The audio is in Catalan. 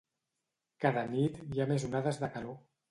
Cada nit hi ha més onades de calor.